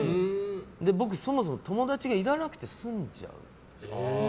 僕、そもそも友達がいらなくて済んじゃう。